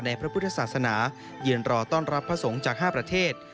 พระพุทธศาสนายืนรอต้อนรับพระสงฆ์จาก๕ประเทศ